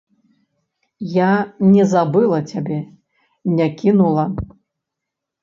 Я не забыла цябе, не кінула.